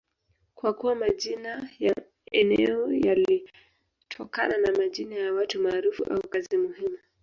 kwa kuwa majina ya eneo yalitokana na majina ya watu maarufu au kazi muhimu